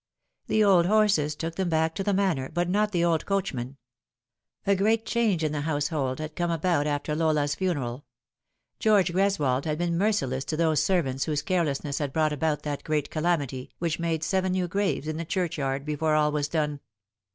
The old horses took them back to the Manor, but not the old coachman. A great change in the household had come about after Lola's funeral. George Greswold had been merciless to those servants whose carelessness had brought about that great calamity, which made seven new graves in the churchyard before all was done.